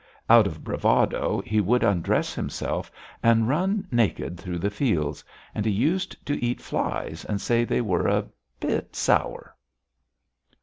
Out of bravado he would undress himself and run naked through the fields, and he used to eat flies and say they were a bit sour.